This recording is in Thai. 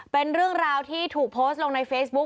เป็นเรื่องราวที่ถูกโพสต์ลงในเฟซบุ๊ค